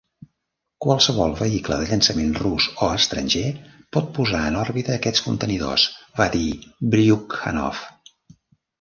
"Qualsevol vehicle de llançament rus o estranger pot posar en òrbita aquests contenidors", va dir Bryukhanov.